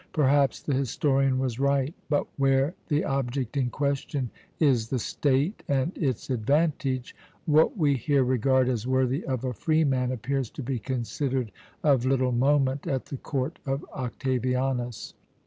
Perhaps the historian was right; but where the object in question is the state and its advantage, what we here regard as worthy of a free man appears to be considered of little moment at the court of Octavianus.